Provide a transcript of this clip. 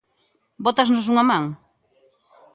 "Bótasnos unha man?".